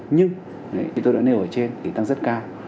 nhưng tôi đã nêu ở trên thì tăng rất cao